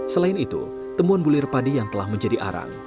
selain itu temuan bulir padi yang telah menjadi arang